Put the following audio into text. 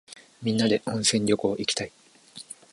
みんなで温泉旅行いきたい。